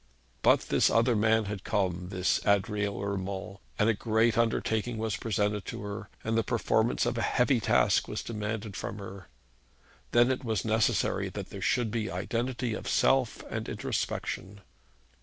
But this other man had come, this Adrian Urmand; and a great undertaking was presented to her, and the performance of a heavy task was demanded from her. Then it was necessary that there should be identity of self and introspection.